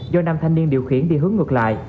do nam thanh niên điều khiển đi hướng ngược lại